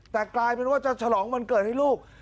แต่กลายเป็นว่าจะฉลองวันเกิดให้ลูก